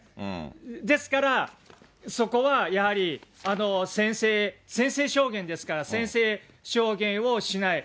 ですから、そこはやはり宣誓証言ですから、宣誓証言をしない。